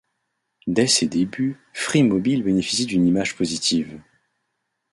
Dès ses débuts, Free mobile bénéficie d'une image positive.